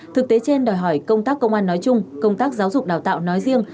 thực tế trên đòi hỏi công tác công an nói chung công tác giáo dục đào tạo nói riêng